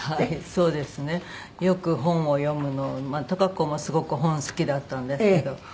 はいそうですね。よく本を読むのたか子もすごく本好きだったんですけど。